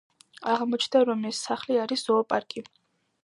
აღმოჩნდება, რომ ეს სახლი არის ზოოპარკი.